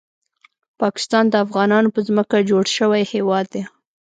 پاکستان د افغانانو په ځمکه جوړ شوی هیواد دی